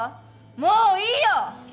もういいよ！